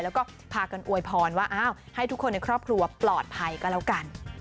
แล้วก็พากันอวยพรว่าอ้าวให้ทุกคนในครอบครัวปลอดภัยก็แล้วกัน